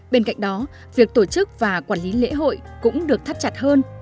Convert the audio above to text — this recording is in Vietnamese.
bên cạnh đó việc tổ chức và quản lý lễ hội cũng được thắt chặt hơn